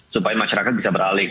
supaya masyarakat bisa beralih